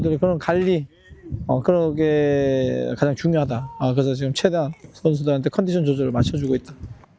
jadi sekarang kita sedang menjaga kondisi pemainnya